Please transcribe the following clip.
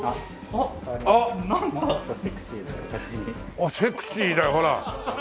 あっセクシーだよほら。